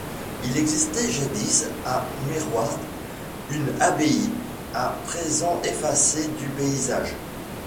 Il existait jadis, à Mirwart, une abbaye, à présent effacée du paysage.